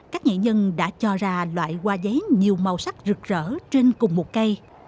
các nghệ nhân đã cho ra loại hoa giấy nhiều màu sắc rực rỡ trên cùng một cây